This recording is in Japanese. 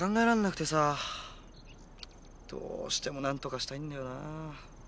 どうしても何とかしたいんだよな。